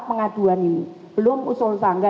pengaduan ini belum usul sangga